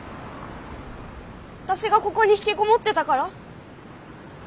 私がここにひきこもってたから？